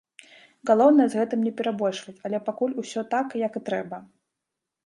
Галоўнае, з гэтым не перабольшваць, але пакуль усё так, як і трэба.